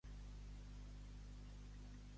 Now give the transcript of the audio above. El "New River" és el curs actual del riu San Gabriel.